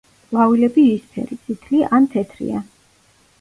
ყვავილები იისფერი, წითლი ან თეთრია.